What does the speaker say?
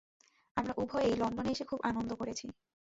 আমরা উভয়েই লণ্ডনে এসে খুব আনন্দ করেছি।